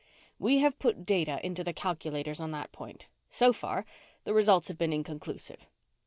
"We have put data into the calculators on that point. So far, the results have been inconclusive."